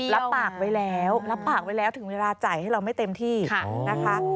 รับปากไว้แล้วรับปากไว้แล้วถึงเวลาจ่ายให้เราไม่เต็มที่นะคะ